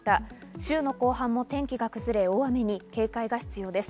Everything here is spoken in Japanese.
週の後半も天気が崩れ大雨に警戒が必要です。